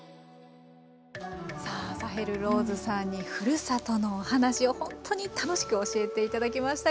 さあサヘル・ローズさんにふるさとのお話をほんとに楽しく教えて頂きましたが。